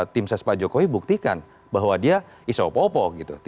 tim ses pak jokowi buktikan bahwa dia isopopo